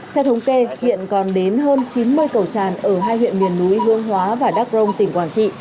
theo thống kê hiện còn đến hơn chín mươi cầu tràn ở hai huyện miền núi hương hóa và đắk rông tỉnh quảng trị